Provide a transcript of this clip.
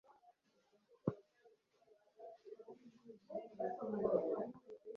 ugomba gusa kubijyamo